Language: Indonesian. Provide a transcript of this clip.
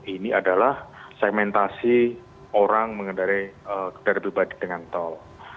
ini adalah segmentasi orang mengendarai kendaraan pribadi dengan tol